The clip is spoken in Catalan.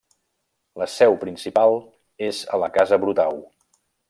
La seu principal és a la Casa Brutau.